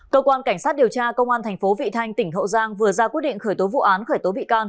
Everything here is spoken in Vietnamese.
cơ quan cảnh sát điều tra công an thành phố vị thanh tỉnh hậu giang vừa ra quyết định khởi tố vụ án khởi tố bị can